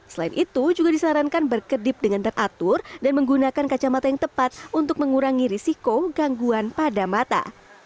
selain itu juga disarankan berkedip dengan teratur dan menggunakan kacamata yang tepat untuk mengurangi risiko gangguan pada mata